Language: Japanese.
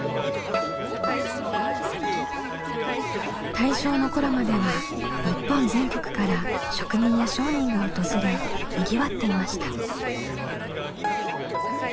大正の頃までは日本全国から職人や商人が訪れにぎわっていました。